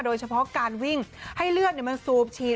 โดยเฉพาะการวิ่งให้เลือดมันสูบฉีด